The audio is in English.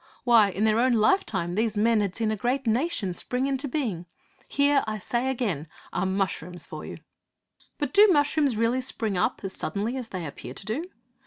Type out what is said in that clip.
Why, in their own lifetime these men had seen a great nation spring into being! Here, I say again, are mushrooms for you! But do mushrooms really spring up as suddenly as they appear to do?